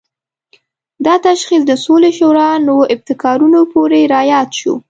دا تشخیص د سولې شورا نوو ابتکارونو پورې راياد شو.